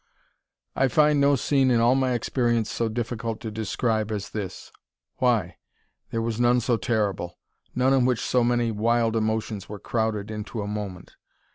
I find no scene in all my experience so difficult to describe as this. Why? There was none so terrible; none in which so many wild emotions were crowded into a moment.